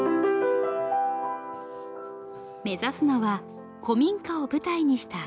目指すのは古民家を舞台にしたコンサート。